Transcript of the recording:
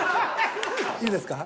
いいですか。